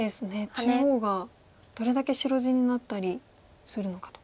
中央がどれだけ白地になったりするのかと。